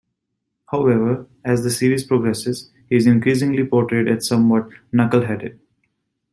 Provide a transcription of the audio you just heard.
However, as the series progresses, he is increasingly portrayed as somewhat knuckle-headed.